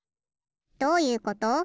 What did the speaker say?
どういうこと？